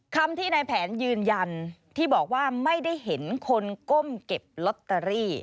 คำที่ในแผนยืนยันที่บอกว่าไม่ได้เห็นคนก้มเก็บลอตเตอรี่